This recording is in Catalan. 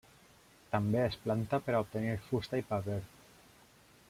També es planta per a obtenir fusta i paper.